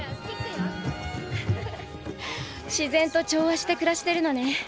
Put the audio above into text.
自然と調和して暮らしてるのね。